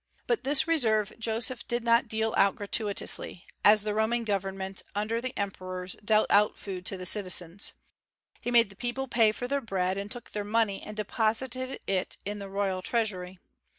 But this reserve Joseph did not deal out gratuitously, as the Roman government, under the emperors, dealt out food to the citizens. He made the people pay for their bread, and took their money and deposited it in the royal treasury.